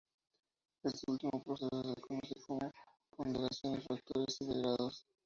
A este último proceso se le conoce como ponderación de factores y de grados.